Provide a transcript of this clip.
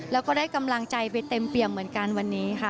แล้วก็ได้กำลังใจไปเต็มเปี่ยมเหมือนกันวันนี้ค่ะ